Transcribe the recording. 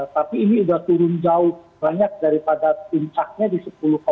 tapi ini sudah turun jauh banyak daripada pintaknya di sepuluh enam gitu